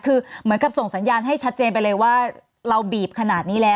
คือเหมือนกับส่งสัญญาณให้ชัดเจนไปเลยว่าเราบีบขนาดนี้แล้ว